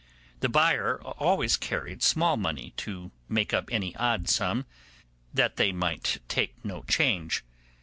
The buyer carried always small money to make up any odd sum, that they might take no change.